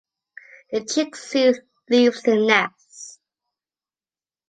The chick soon leaves the nest.